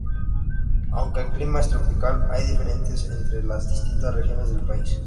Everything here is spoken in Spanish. Aunque el clima es tropical, hay diferencias entre las distintas regiones del país.